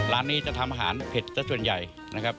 ร้านนี้จะทำอาหารเผ็ดซะส่วนใหญ่นะครับ